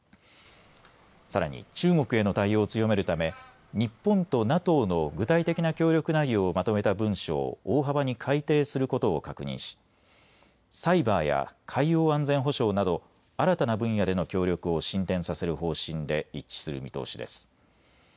さらに中国への対応を強めるため日本とＮＡＴＯの具体的な協力内容をまとめた文書を大幅に改訂することを確認しサイバーや海洋安全保障など新たな分野での協力を進展させる方針で一致する見通しです。